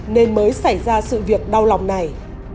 nên mới xảy ra sự việc đau lòng này